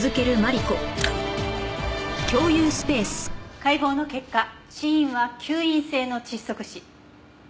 解剖の結果死因は吸引性の窒息死。